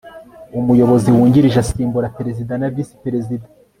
umuyobozi wungirije asimbura perezida na visi perezida